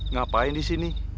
ngapain di sini